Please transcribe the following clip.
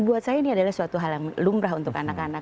buat saya ini adalah suatu hal yang lumrah untuk anak anak